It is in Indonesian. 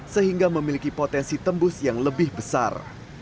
sehingga memiliki potensi tembus yang lebih besar